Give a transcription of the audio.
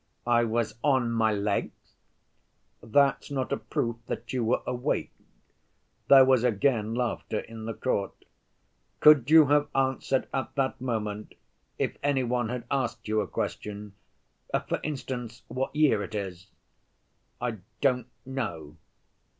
"I was on my legs." "That's not a proof that you were awake." (There was again laughter in the court.) "Could you have answered at that moment, if any one had asked you a question—for instance, what year it is?" "I don't know."